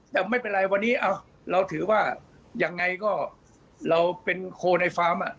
แต่ไม่เป็นไรวันนี้เราถือว่าอย่างไงก็เราเป็นคนไอวาร์ม